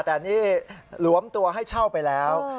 แต่นี่หลวมตัวให้เช่าไปแล้ว